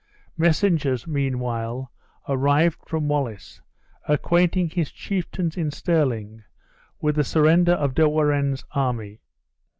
Messengers, meanwhile, arrived from Wallace, acquainting his chieftains in Stirling with the surrender of De Warenne's army.